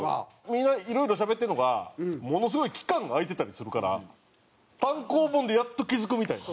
みんないろいろしゃべってるのがものすごい期間が空いてたりするから単行本でやっと気付くみたいな。